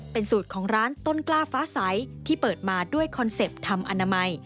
เป็นสูตรของร้านต้นกล้าฟ้าใสที่เปิดมาด้วยคอนเซ็ปต์ทำอนามัย